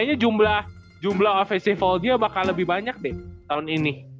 kayaknya jumlah festival dia bakal lebih banyak deh tahun ini